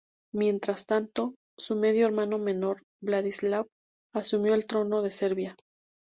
Mientras tanto, su medio hermano menor Vladislav asumió el trono de Serbia.